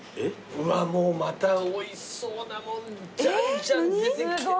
うわもうまたおいしそうなもんじゃんじゃん出てきて。